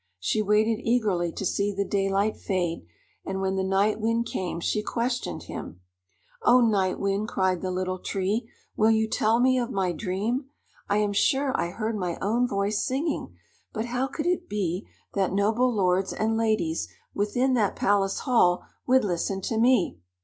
She waited eagerly to see the daylight fade, and when the Night Wind came, she questioned him: "Oh, Night Wind," cried the Little Tree, "will you tell me of my dream? I am sure I heard my own voice singing; but how could it be that noble lords and ladies within that palace hall would listen to me?